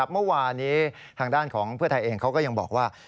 เมื่อวานนี้ทางด้านของเพื่อไทยเองเขาก็ยังบอกว่า